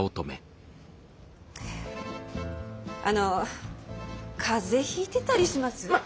あの風邪ひいてたりします？